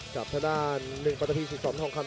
กับท่าด้านหนึ่งปันทะพีสุดสองทองคำ